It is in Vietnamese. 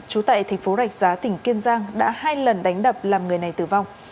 trú tại thành phố rạch giá tỉnh kiên giang đã hai lần đánh đập làm người này tử vong